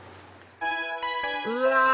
うわ！